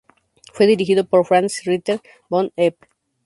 Fue dirigido por Franz Ritter von Epp.